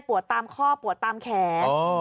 ตามข้อปวดตามแขน